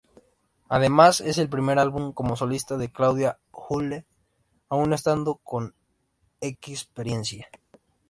Además es el primer álbum como solista de Claudia Uhle, aún estando con X-Perience.